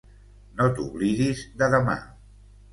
No t'oblidis de demà.